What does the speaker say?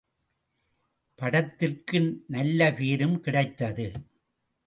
படத்திற்கு நல்ல பேரும் கிடைத்தது.